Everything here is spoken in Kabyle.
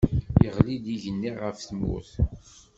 Yeɣli-d igenni ɣef tmurt.